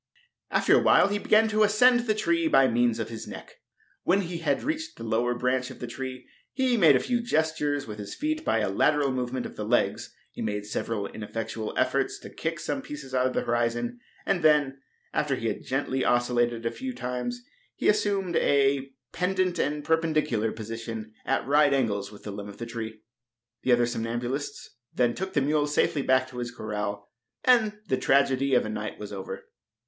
After awhile he began to ascend the tree by means of his neck. When he had reached the lower branch of the tree he made a few gestures with his feet by a lateral movement of the legs. He made several ineffectual efforts to kick some pieces out of the horizon, and then, after he had gently oscilliated a few times, he assumed a pendent and perpendicular position at right angles with the limb of the tree. The other somnambulists then took the mule safely back to his corral, and the tragedy of a night was over.